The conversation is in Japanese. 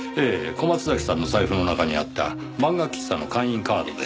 小松崎さんの財布の中にあった漫画喫茶の会員カードです。